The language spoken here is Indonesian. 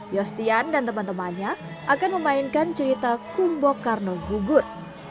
yostian dan teman temannya akan memainkan cerita kumbokarno gugur